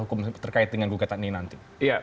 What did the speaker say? hukum terkait dengan gugatan ini nanti